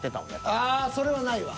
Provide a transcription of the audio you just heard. ああそれはないわ。